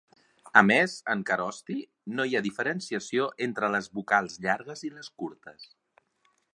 A més, en kharosthi no hi ha diferenciació entre les vocals llargues i les curtes.